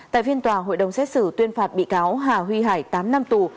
tại phiên tòa hội đồng xét xử tuyên phạt bị cáo hà huy hải tám năm tù